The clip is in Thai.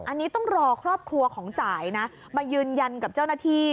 อันนี้ต้องรอครอบครัวของจ่ายนะมายืนยันกับเจ้าหน้าที่